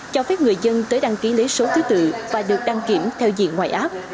cho phép người dân tới đăng ký lấy số thứ tự và được đăng kiểm theo diện ngoại app